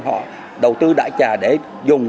họ đầu tư đại trà để dùng